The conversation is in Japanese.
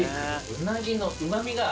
うなぎのうま味が。